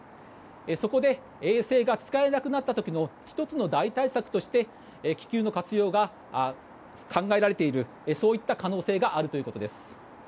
そこで衛星が使えなくなった時の１つの代替策として気球の活用が考えられているそういった可能性があるということです。